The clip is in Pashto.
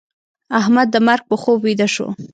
احمد د مرګ په خوب ويده شو.